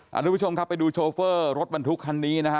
ทุกผู้ชมครับไปดูโชเฟอร์รถบรรทุกคันนี้นะฮะ